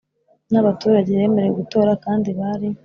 n abaturage bemerewe gutora kandi bari